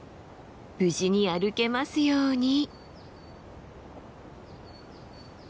無事に歩けますように。